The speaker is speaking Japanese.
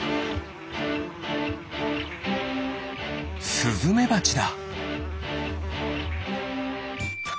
スズメバチだ。